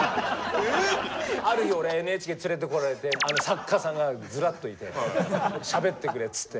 ある夜俺ＮＨＫ連れてこられて作家さんがずらっといて「しゃべってくれ」っつって。